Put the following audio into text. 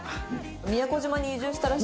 宮古島に移住したらしいですよ。